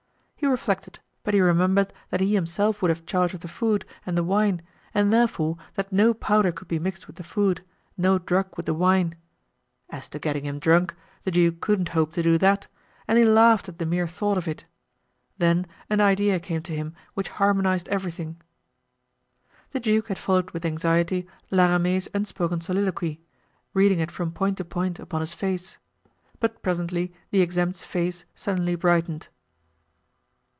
He reflected, but he remembered that he himself would have charge of the food and the wine and therefore that no powder could be mixed with the food, no drug with the wine. As to getting him drunk, the duke couldn't hope to do that, and he laughed at the mere thought of it. Then an idea came to him which harmonized everything. The duke had followed with anxiety La Ramee's unspoken soliloquy, reading it from point to point upon his face. But presently the exempt's face suddenly brightened.